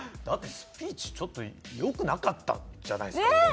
だってスピーチちょっと良くなかったじゃないですか。